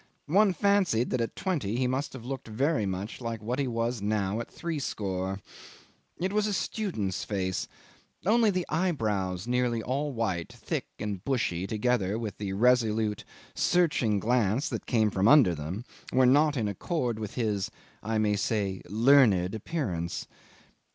One fancied that at twenty he must have looked very much like what he was now at threescore. It was a student's face; only the eyebrows nearly all white, thick and bushy, together with the resolute searching glance that came from under them, were not in accord with his, I may say, learned appearance.